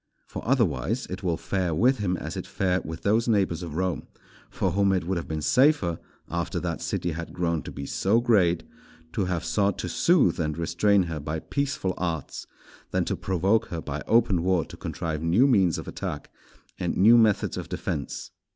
For, otherwise, it will fare with him as it fared with those neighbours of Rome, for whom it would have been safer, after that city had grown to be so great, to have sought to soothe and restrain her by peaceful arts, than to provoke her by open war to contrive new means of attack and new methods of defence.